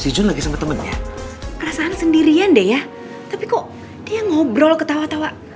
jujur lagi sama temennya perasaan sendirian deh ya tapi kok dia ngobrol ketawa tawa